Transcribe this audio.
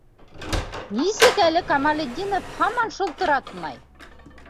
Нисек әле Камалетдинов һаман шылтыратмай?